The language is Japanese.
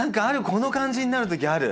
この感じになるときある！